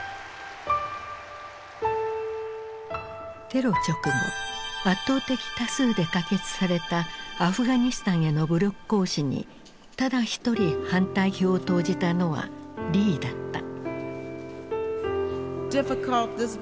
テロ直後圧倒的多数で可決されたアフガニスタンへの武力行使にただ一人反対票を投じたのはリーだった。